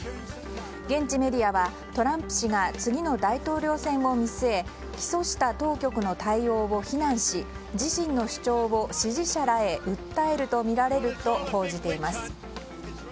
現地メディアはトランプ氏が次の大統領選を見据え起訴した当局の対応を非難し自身の主張を支持者らへ訴えるとみられると報じています。